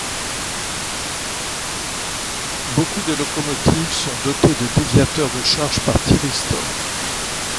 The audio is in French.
Beaucoup de locomotives sont dotées de déviateurs de charge par thyristors.